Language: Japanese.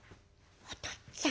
「おとっつぁん。